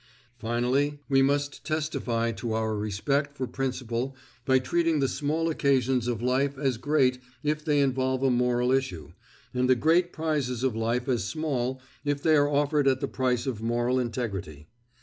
Finally, we must testify to our respect for principle by treating the small occasions of life as great if they involve a moral issue, and the great prizes of life as small if they are offered at the price of moral integrity.